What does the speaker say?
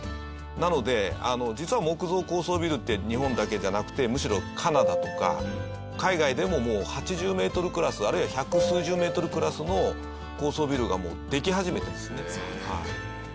なので実は木造高層ビルって日本だけじゃなくてむしろカナダとか海外でももう８０メートルクラスあるいは百数十メートルクラスの高層ビルがもうでき始めているんですね。そうなんだ。